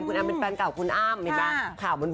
คุณแอมเป็นแฟนเก่าคุณอ้ำเห็นไหม